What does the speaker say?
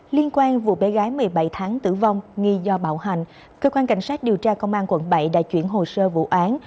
liên quan vụ bé gái một mươi bảy tháng tử vong nghi do bạo hành cơ quan cảnh sát điều tra công an quận bảy đã chuyển hồ sơ vụ án